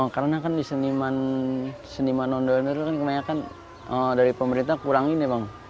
karena kan di seniman ondel ondel itu kan kebanyakan dari pemerintah kurangin ya bang